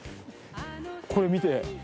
これ見て。